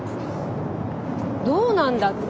どうなんだっけ？